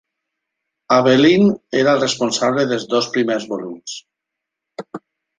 Abelin era el responsable dels dos primers volums.